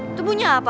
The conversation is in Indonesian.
itu bunyi apa